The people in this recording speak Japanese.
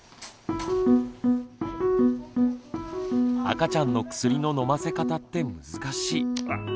赤ちゃんの薬の飲ませ方って難しい。